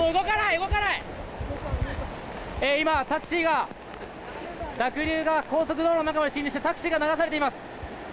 タクシーが濁流が高速道路の中まできてタクシーが流されています。